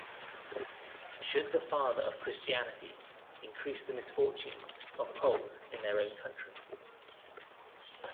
Should the father of Christianity increase the misfortunes of Poles in their own country?